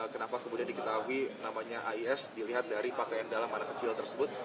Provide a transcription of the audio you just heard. kenapa kemudian diketahui namanya ais dilihat dari pakaian dalam anak kecil tersebut